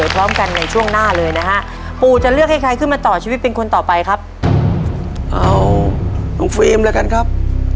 ข้อมูลอะไรกันครับ